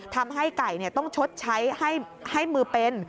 ทำให้ไก่ต้องชดใช้ให้มือเป็น